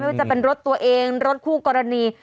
ว่าจะเป็นรถตัวเองรถคู่กรณี